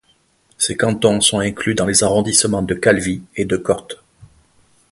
Ces cantons sont inclus dans les arrondissements de Calvi et de Corte.